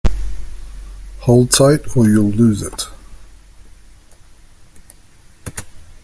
Hold tight, or you'll lose it!